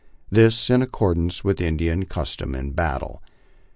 This is in accordance with the Indian custom, in battle.